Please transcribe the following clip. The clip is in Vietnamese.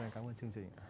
cám ơn chương trình